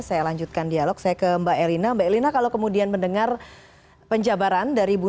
sampaikan di sini yang pertama itu